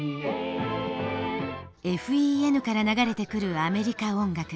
ＦＥＮから流れてくるアメリカ音楽。